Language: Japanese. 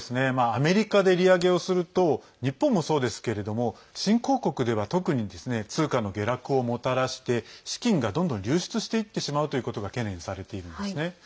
アメリカで利上げをすると日本もそうですけれども新興国では特に通貨の下落をもたらして資金がどんどん流出していってしまうということが懸念されているんですね。